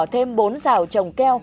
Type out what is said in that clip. thêm bốn xào trồng keo